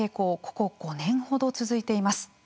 ここ５年ほど続いています。